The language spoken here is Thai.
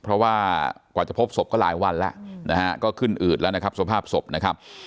เพราะว่ากว่าจะพบศพก็หลายวันแล้วนะฮะก็ขึ้นอืดแล้วนะครับสภาพศพนะครับ